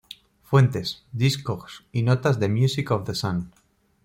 Fuentes: Discogs y notas de "Music of the Sun".